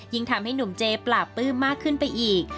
ทำให้หนุ่มเจปราบปลื้มมากขึ้นไปอีก